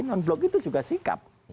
non blok itu juga sikap